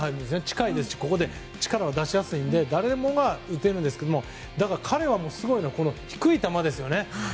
近いのでここで力を出しやすいんで誰もが打てるんですけども彼がすごいのは低い球ですね。